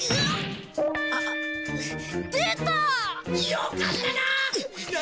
よかったな。